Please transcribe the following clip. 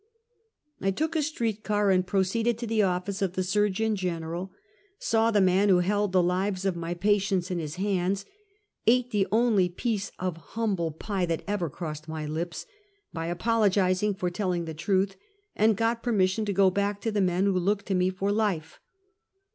1 took a street car and proceeded to the oflice of the Surgeon General — saw the man who held the lives of my patients in his hands, ate the only piece of humble pie that ever crossed my lips, by apologizing for tell ing the truth, and got permission to go back to the men who looked to me for life.